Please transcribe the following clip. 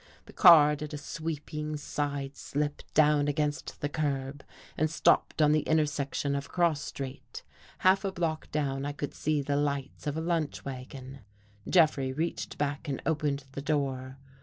The car did a sweeping side slip down against the curb and stopped on the intersection of a cross street. Half a block down, I could see the lights of a lunch wagon. Jeffrey reached back and opened the door.